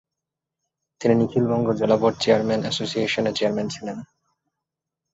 তিনি নিখিল বঙ্গ জেলা বোর্ড চেয়ারম্যান এসোসিয়েশনের চেয়ারম্যান ছিলেন।